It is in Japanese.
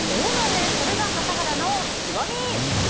それが笠原の極み。